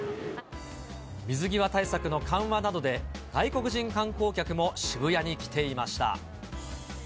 水際対策の緩和などで、外国人観光客も渋谷に来ていました。